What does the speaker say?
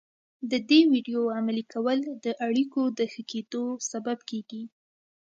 د دې ويډيو عملي کول د اړيکو د ښه کېدو سبب کېږي.